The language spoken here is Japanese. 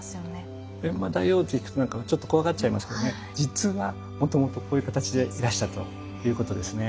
閻魔大王と聞くとちょっと怖がっちゃいますけどね実はもともとこういう形でいらしたということですね。